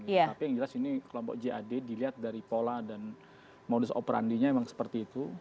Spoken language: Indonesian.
tapi yang jelas ini kelompok jad dilihat dari pola dan modus operandinya memang seperti itu